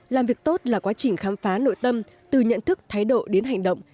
làm việc tốt là quá trình khám phá nội tâm từ nhận thức thái độ đến hành động